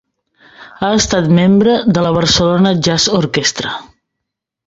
Ha estat membre de la Barcelona Jazz Orquestra.